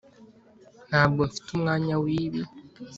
ntabwo mfite umwanya wibi.